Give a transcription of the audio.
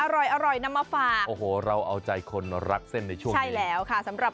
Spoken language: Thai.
อร่อยอร่อยนำมาฝากโอ้โหเราเอาใจคนรักเส้นในช่วงนี้ใช่แล้วค่ะสำหรับ